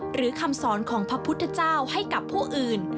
คำสอนของพระพุทธเจ้าให้กับผู้อื่น